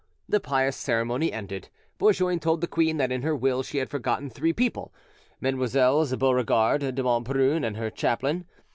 This pious ceremony ended, Bourgoin told the queen that in her will she had forgotten three people—Mesdemoiselles Beauregard, de Montbrun, and her chaplain.